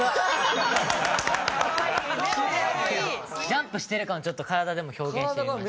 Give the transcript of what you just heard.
ジャンプしてる感をちょっと体でも表現してみましたね。